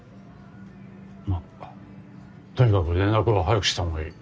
まとにかく連絡は早くしたほうがいい。